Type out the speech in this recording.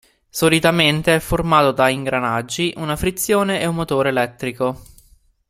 Solitamente è formato da ingranaggi, una frizione e un motore elettrico.